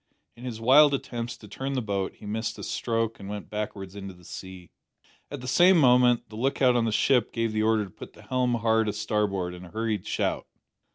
In his wild attempts to turn the boat he missed a stroke and went backwards into the sea. At the same moment the lookout on the ship gave the order to put the helm hard a starboard in a hurried shout.